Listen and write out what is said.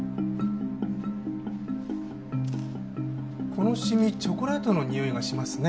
この染みチョコレートのにおいがしますね。